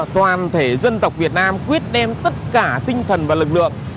toàn thể dân tộc việt nam quyết đem tất cả tinh thần và lực lượng